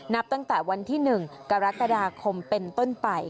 นับตั้งแต่วันที่๑กรกฎาคมเป็นต้นไป